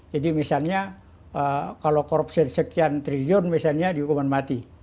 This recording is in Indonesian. jadi misalnya kalau korupsi sekian triliun misalnya dihukuman mati